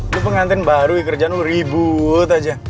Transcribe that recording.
lo pengantin baru kerjaan lo ribut aja